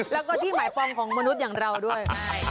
แล้วก็ที่หมายปองของมนุษย์อย่างเราด้วย